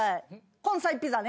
根菜ピザね。